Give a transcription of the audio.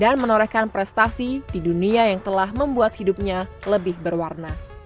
dan menorehkan prestasi di dunia yang telah membuat hidupnya lebih berwarna